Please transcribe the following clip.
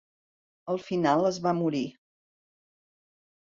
Al final es va morir.